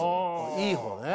いい方ね。